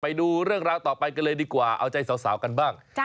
ไปดูเรื่องราวต่อไปกันเลยดีกว่าเอาใจสาวกันบ้าง